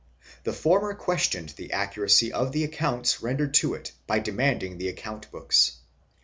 The former questioned the accuracy of the accounts rendered to it and demanded the account books.